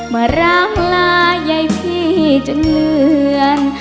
มารำลายายพี่จนเลือน